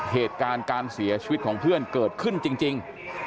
เหตุการณ์การเสียชีวิตของเพื่อนเกิดขึ้นจริง